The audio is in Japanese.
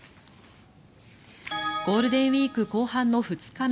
ゴールデンウィーク後半の２日目